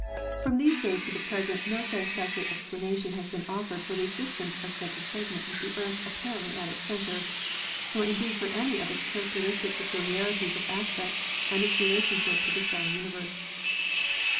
From those days to the present no satis factory explanation has been offered for the existence of such a segment with the Earth apparently at its center, nor indeed for any of its characteristic peculiarities of aspect and its relationship to the stellar universe.